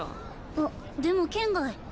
あっでも圏外。